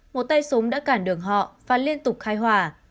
một tay súng đã cản đường họ và liên tục khai hỏa